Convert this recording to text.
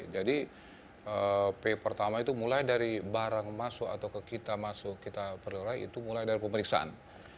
jadi p pertama itu mulai dari barang masuk atau ke kita masuk kita perlulah itu mulai dari pemeriksaan